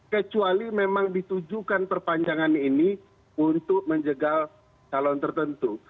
kecuali memang ditujukan perpanjangan ini untuk menjegal calon tertentu